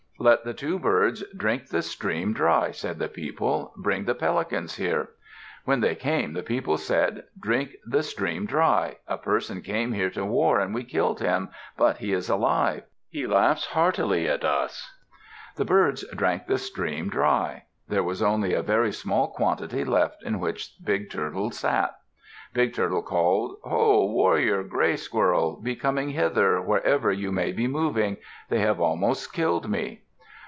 "Let the two birds drink the stream dry," said the people. "Bring the Pelicans here." When they came, the people said, "Drink the stream dry. A person came here to war and we killed him, but he is alive. He laughs heartily at us." The birds drank the stream dry. There was only a very small quantity left in which Big Turtle sat. Big Turtle called, "Ho! warrior Gray Squirrel, be coming hither, wherever you may be moving. They have almost killed me."